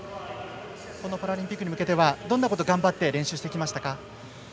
このパラリンピックに向けてはどんなことを頑張って練習してきましたか？